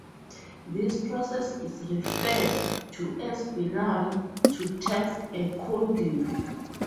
This process is referred to as binary to text encoding.